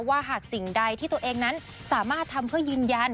หากสิ่งใดที่ตัวเองนั้นสามารถทำเพื่อยืนยัน